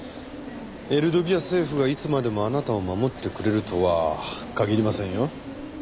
エルドビア政府がいつまでもあなたを守ってくれるとは限りませんよ。